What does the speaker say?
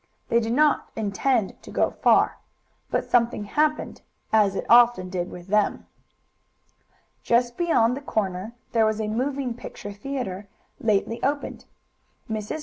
They did not intend to go far, but something happened, as it often did with them. Just beyond the corner there was a moving picture theatre, lately opened. Mrs.